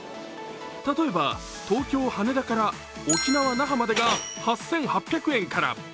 例えば東京・羽田から沖縄・那覇までが８８００円から。